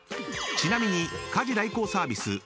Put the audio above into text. ［ちなみに家事代行サービス